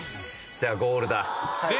じゃあゴールだ。